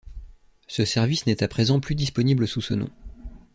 Ce service n'est à présent plus disponible sous ce nom.